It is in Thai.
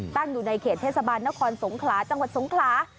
อยู่ในเขตเทศบาลนครสงขลาจังหวัดสงขลา